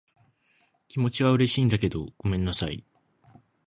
気持ちは嬉しいんだけど、ごめんなさい。